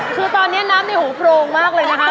คือตอนนี้น้ำในหูโพรงมากเลยนะคะ